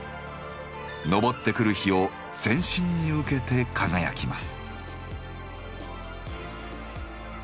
昇ってくる日を全身に受けて輝きます。